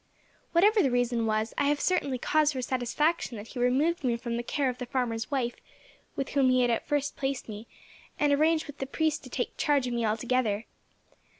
"Whatever the reason was, I have certainly cause for satisfaction that he removed me from the care of the farmer's wife, with whom he at first placed me, and arranged with the priest to take charge of me altogether.